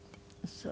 そう。